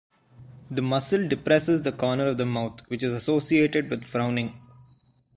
The muscle depresses the corner of the mouth which is associated with frowning.